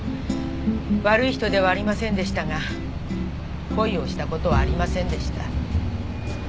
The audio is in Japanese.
悪い人ではありませんでしたが恋をしたことはありませんでした。